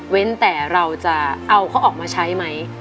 แต่เราจะเอาเขาออกมาใช้ไหม